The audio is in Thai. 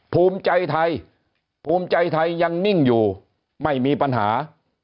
ภูมิใจไทยภูมิใจไทยยังนิ่งอยู่ไม่มีปัญหา